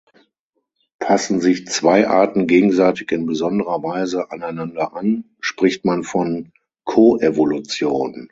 Passen sich zwei Arten gegenseitig in besonderer Weise aneinander an, spricht man von Koevolution.